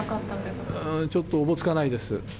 うーん、ちょっとおぼつかないです。